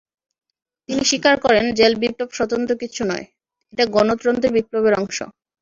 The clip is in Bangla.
তিনি স্বীকার করেন, জেল-বিপ্লব স্বতন্ত্র কিছু নয়, এটা গণতন্ত্রের বিপ্লবের অংশ।